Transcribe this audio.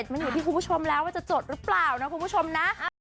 มันอยู่ที่คุณผู้ชมแล้วว่าจะจดหรือเปล่านะคุณผู้ชมนะ